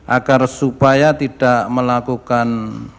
agar supaya tidak melakukan